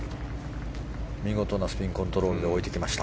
見事なスピンコントロールで置いてきました。